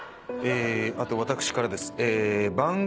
あと私からです。